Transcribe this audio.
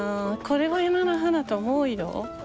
これが菜の花と思うよ。